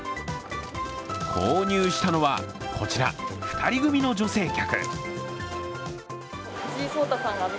購入したのは、こちら２人組の女性客。